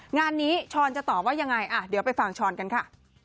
งานนี้ช้อนจะตอบว่ายังไงเดี๋ยวไปฟังช้อนกันค่ะ